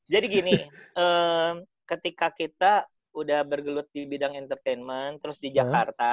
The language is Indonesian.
jadi gini ketika kita udah bergelut di bidang entertainment terus di jakarta